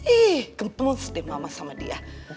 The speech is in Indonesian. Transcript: ih comples deh mama sama dia